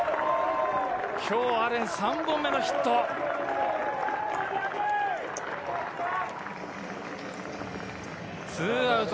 今日アレン、３本目のヒット。